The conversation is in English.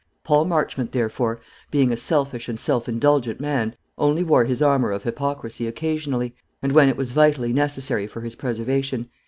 Paul Marchmont, therefore, being a selfish and self indulgent man, only wore his armour of hypocrisy occasionally, and when it was vitally necessary for his preservation.